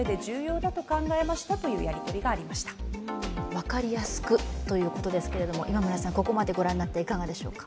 分かりやすくということですけれども、ここまでご覧になって、いかがでしょうか。